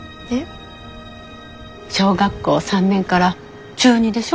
小学校３年から中２でしょ？